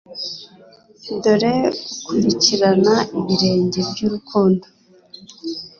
dore ukurikirana ibirenge byurukundo